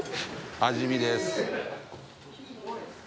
味見です。